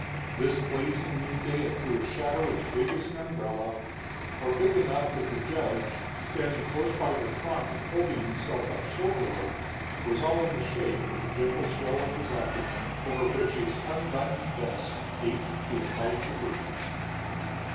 This blazing noonday it threw a shadow as big as an umbrella, or big enough that the judge, standing close by the trunk and holding himself up soldierly, was all in the shade but the gentle swell of his abdomen, over which his unbuttoned vest gaped to invite the breeze.